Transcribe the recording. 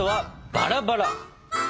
バラバラ？